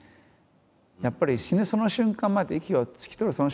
やっぱり死ぬその瞬間まで息を引き取る